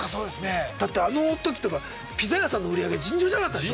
だってあのときとかピザ屋さんの売り上げ尋常じゃなかったでしょ？